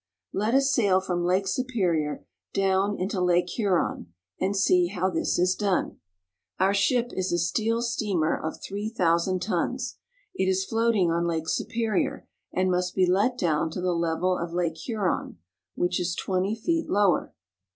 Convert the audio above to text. Let us sail from Lake Superior down into Lake Huron, and see how this is done. Our ship is a steel steamer of three thousand tons. It is floating on Lake Superior, and must be let down to the level of Lake Huron, which is twenty feet lower.